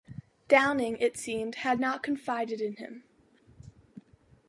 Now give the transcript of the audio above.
Downing, it seemed, had not confided in him.